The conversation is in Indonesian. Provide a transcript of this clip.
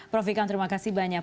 prof ikan terima kasih banyak